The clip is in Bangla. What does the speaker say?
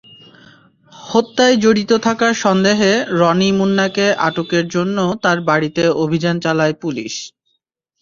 হত্যায় জড়িত থাকার সন্দেহে রনি মুন্নাকে আটকের জন্য তাঁর বাড়িতে অভিযান চালায় পুলিশ।